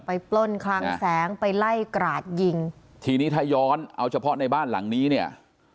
ปล้นคลังแสงไปไล่กราดยิงทีนี้ถ้าย้อนเอาเฉพาะในบ้านหลังนี้เนี่ย